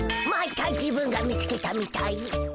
また自分が見つけたみたいに。